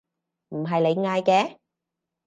唔係你嗌嘅？